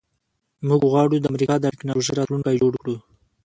موږ غواړو د امریکا د ټیکنالوژۍ راتلونکی جوړ کړو